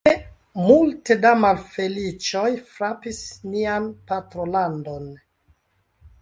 Dume, multe da malfeliĉoj frapis nian patrolandon.